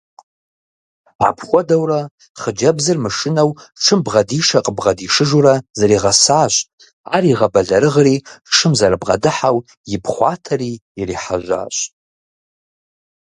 Апхуэдэурэ хъыджэбзыр мышынэу шым бгъэдишэ–къыбгъэдишыжурэ зэригъэсащ, ар игъэбэлэрыгъри шым зэрыбгъэдыхьэу ипхъуатэри ирихьэжьащ.